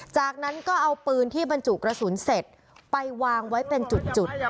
จากนั้นก็เอาปืนที่บรรจุกระสุนเสร็จไปวางไว้เป็นจุด